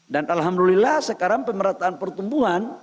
dan alhamdulillah sekarang pemerataan pertumbuhan